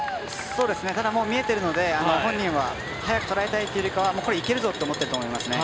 ただ、見えているので本人は早く捉えたいというよりはこれいけるぞ！って思ってると思いますね。